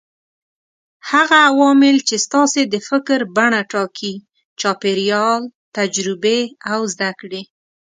هغه عوامل چې ستاسې د فکر بڼه ټاکي: چاپېريال، تجربې او زده کړې.